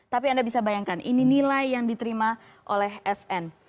tapi anda bisa bayangkan ini nilai yang diterima oleh sn